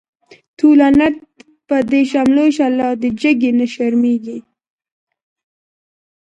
تو لعنت په دی شملو شه، لا دی جګی نه شرميږی